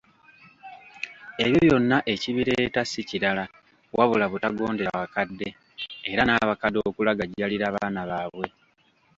Ebyo byonna ekibireeta si kirala wabula butagondera bakadde, era nabakadde okulagajjalira abaana baabwe,